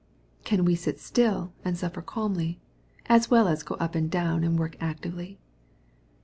Can we sit still, and suffer calmly, as well as go up and down and work actively